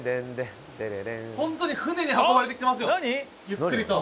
本当に船で運ばれてきてますよゆっくりと。